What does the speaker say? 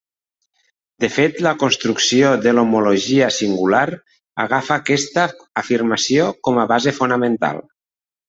De fet, la construcció de l'homologia singular agafa aquesta afirmació com a base fonamental.